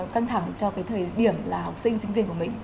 căng thẳng cho cái thời điểm là học sinh sinh viên của mình